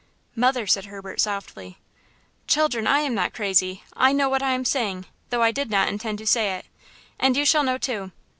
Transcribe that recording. "Mother," said Herbert, softly. "Children, I am not crazy! I know what I am saying, though I did not intend to say it! And you shall know, too!